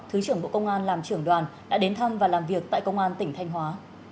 thứ trưởng bộ công an làm trưởng đoàn đã đến thăm và làm việc tại công an tỉnh thanh hóa